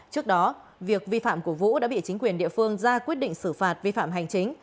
trước đó việc vi phạm của vũ đã bị chính quyền địa phương ra quyết định xử phạt vi phạm hành chính